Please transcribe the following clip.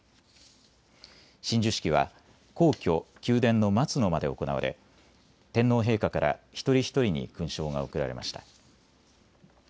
親授式は皇居宮殿の松の間で行われ天皇陛下から一人一人に勲章が贈られました。